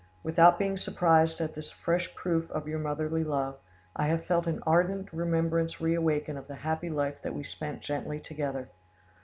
"Without being surprised at this fresh proof of your motherly love, I have felt an ardent remembrance reawaken of the happy life that we spent gently together.